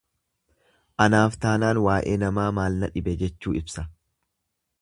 Anaaf taanaan waa'ee namaa maal na dhibe jechuu ibsa.